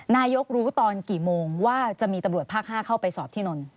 นายกรู้ตอนกี่โมงว่าจะมีตำรวจภาค๕เข้าไปสอบที่นนท์